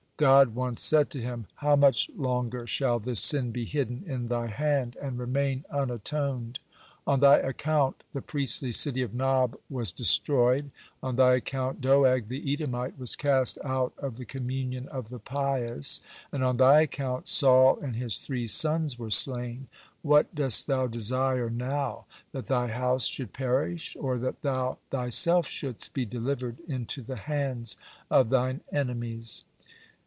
God once said to him: "How much longer shall this sin be hidden in thy hand and remain unatoned? On thy account the priestly city of Nob was destroyed, (109) on thy account Doeg the Edomite was cast out of the communion of the pious, and on thy account Saul and his three sons were slain. What dost thou desire now—that thy house should perish, or that thou thyself shouldst be delivered into the hands of thine enemies?"